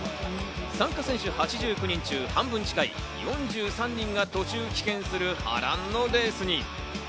参加選手８９人中、半分近い４３人が途中棄権する波乱のレースに。